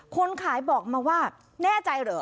คนขายบอกมาว่าแน่ใจเหรอ